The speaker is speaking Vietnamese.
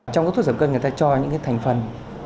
trong các thuốc giảm cân người ta cho những thành phần